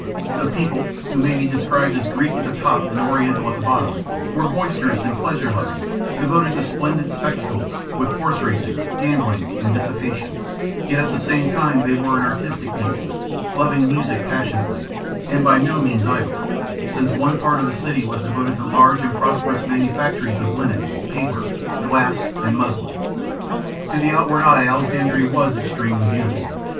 The people, who may be described as Greek at the top and Oriental at the bottom, were boisterous and pleasure loving, devoted to splendid spectacles, with horse racing, gambling, and dissipation; yet at the same time they were an artistic people, loving music passionately, and by no means idle, since one part of the city was devoted to large and prosperous manufactories of linen, paper, glass, and muslin. To the outward eye Alexandria was extremely beautiful.